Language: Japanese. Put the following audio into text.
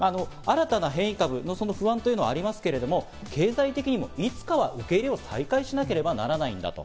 新たな変異株の不安というのはありますが経済的にも、いつかは受け入れを再開しなければならないんだと。